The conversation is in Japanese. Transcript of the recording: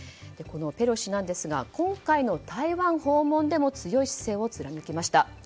このペロシ氏なんですが今回の台湾訪問でも強い姿勢を貫きました。